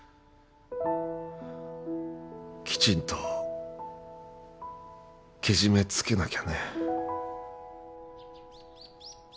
きちんとけじめつけなきゃね。